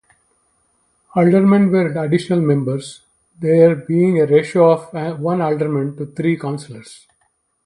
Aldermen were additional members, there being a ratio of one alderman to three councillors.